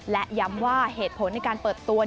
และย้ำว่าเหตุผลในการเปิดตัว